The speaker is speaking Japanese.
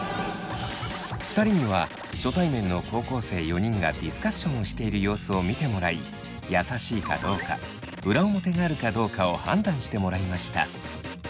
２人には初対面の高校生４人がディスカッションをしている様子を見てもらい優しいかどうか裏表があるかどうかを判断してもらいました。